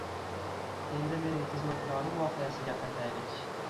Endi mening xizmatkorim voqeasiga qaytaylik